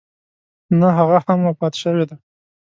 نه هغه هم وفات شوې ده.